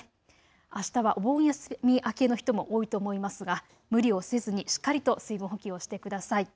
あしたはお盆休み明けの人も多いと思いますが無理をせずにしっかりと水分補給をしてください。